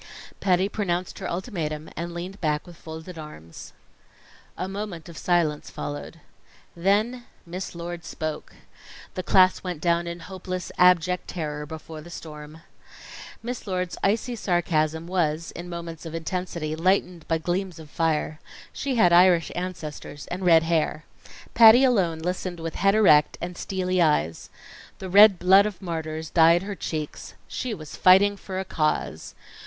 Patty pronounced her ultimatum, and leaned back with folded arms. A moment of silence followed. Then Miss Lord spoke. The class went down in hopeless, abject terror before the storm. Miss Lord's icy sarcasm was, in moments of intensity, lightened by gleams of fire. She had Irish ancestors and red hair. Patty alone listened with head erect and steely eyes. The red blood of martyrs dyed her cheeks. She was fighting for a CAUSE.